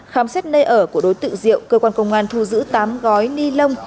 khám xét nơi ở của đối tượng diệu cơ quan công an thu giữ tám gói ni lông